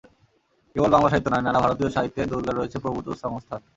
কেবল বাংলা সাহিত্যে নয়, নানা ভারতীয় সাহিত্যে দুর্গার রয়েছে প্রভূত সংস্থান।